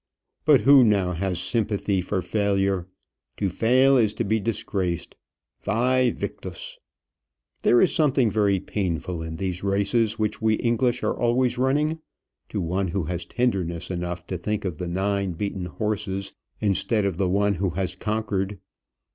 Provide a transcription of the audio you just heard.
But who now has sympathy for failure? To fail is to be disgraced. Væ victis! There is something very painful in these races, which we English are always running, to one who has tenderness enough to think of the nine beaten horses instead of the one who has conquered.